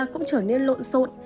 cũng trở nên lộn xộn